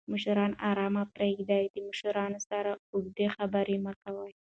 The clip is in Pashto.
مشران آرام پریږده! د مشرانو سره اوږدې خبرې مه کوه